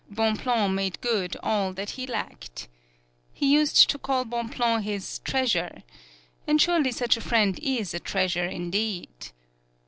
Bonpland made good all that he lacked. He used to call Bonpland his "Treasure." And surely such a friend is a treasure, indeed.